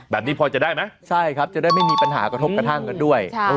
แบบนี้พอจะได้ไหมใช่ครับจะได้ไม่มีปัญหากระทบกระทั่งกันด้วย